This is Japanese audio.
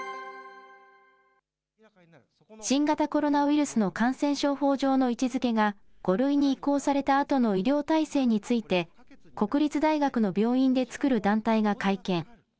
新型コロナウイルスの感染症法上の位置づけが、５類に移行されたあとの医療体制について、国立大学の病院でつくる団体が会見。